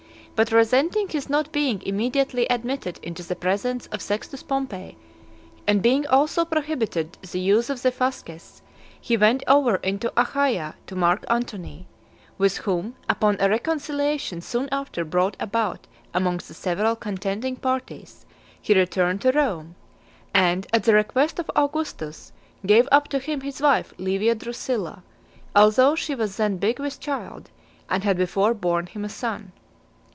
But resenting (196) his not being immediately admitted into the presence of Sextus Pompey, and being also prohibited the use of the fasces, he went over into Achaia to Mark Antony; with whom, upon a reconciliation soon after brought about amongst the several contending parties, he returned to Rome; and, at the request of Augustus, gave up to him his wife Livia Drusilla, although she was then big with child, and had before borne him a son.